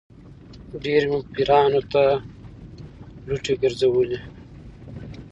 ډېر مې پیرانو ته لوټې ګرځولې.